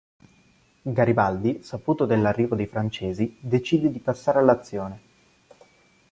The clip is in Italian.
Garibaldi, saputo dell’arrivo dei francesi, decide di passare all’azione.